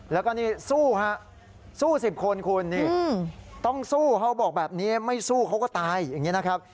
แล้วก็นี่สู้ฮะสู้๑๐คนคุณนี่ต้องสู้เขาบอกแบบนี้ไม่สู้เขาก็ตายอย่างนี้นะครับ